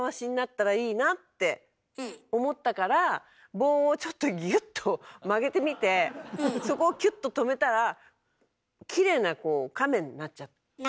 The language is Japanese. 棒をちょっとギュッと曲げてみてそこをキュッと留めたらきれいな亀になっちゃって。